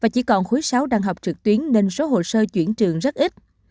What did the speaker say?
chỉ còn khối sáu đang học trực tuyến nên số hồ sơ chuyển trường rất ít